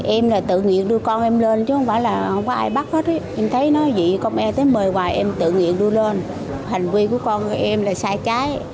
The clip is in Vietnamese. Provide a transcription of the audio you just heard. em là tự nghiện đưa con em lên chứ không phải là không có ai bắt hết em thấy nó dị công e tới mời hoài em tự nghiện đưa lên hành vi của con em là sai trái